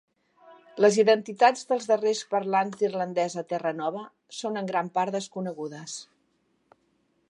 Les identitats dels darrers parlants d'irlandès a Terranova són en gran part desconegudes.